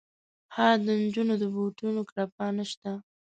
ها د نجونو د بوټونو کړپا نه شته